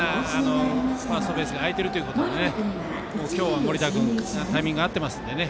ベースがあいてるということで今日は森田君タイミング合ってますのでね。